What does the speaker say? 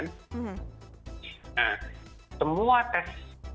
nah semua tes